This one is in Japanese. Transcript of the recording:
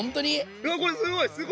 うわこれすごいすごい。